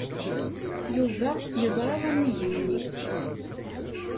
Yuba yeẓra amihi-nni.